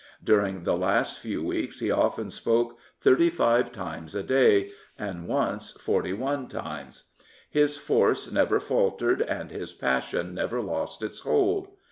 During the last few weeks he often spoke thirty five times a day, and once forty one times. His force never faltered and his passion never lost its hold.